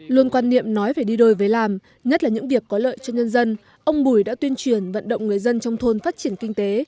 luôn quan niệm nói về đi đôi với làm nhất là những việc có lợi cho nhân dân ông bùi đã tuyên truyền vận động người dân trong thôn phát triển kinh tế